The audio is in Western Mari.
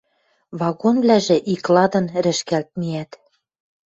Вагонвлӓжӹ икладын рӹшкӓлт миӓт.